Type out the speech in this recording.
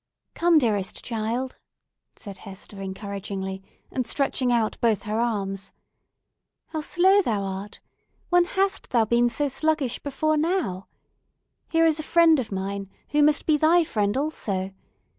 "Come, dearest child!" said Hester encouragingly, and stretching out both her arms. "How slow thou art! When hast thou been so sluggish before now? Here is a friend of mine, who must be thy friend also.